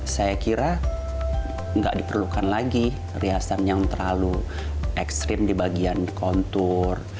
saya kira nggak diperlukan lagi riasan yang terlalu ekstrim di bagian kontur